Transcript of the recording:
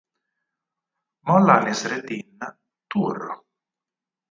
Molla Nəsrəddin; tur.